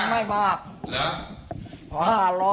หลายครั้งนะครับ